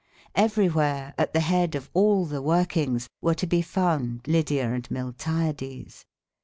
Everywhere, at the head of all the workings, were to be found Lydia and Miltiades.